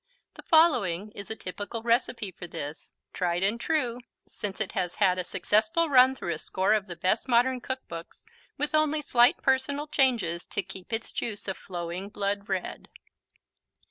The following is a typical recipe for this, tried and true, since it has had a successful run through a score of the best modern cookbooks, with only slight personal changes to keep its juice a flowing blood red.